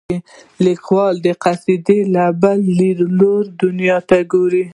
لیکوال قصدا له بل لیدلوري دنیا ته ګوري.